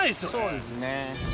そうですね。